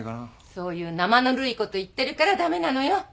そういう生ぬるいこと言ってるから駄目なのよ。